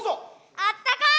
あったかい